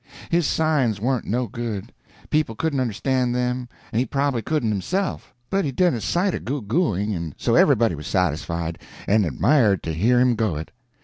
His signs warn't no good; people couldn't understand them and he prob'ly couldn't himself, but he done a sight of goo gooing, and so everybody was satisfied, and admired to hear him go it.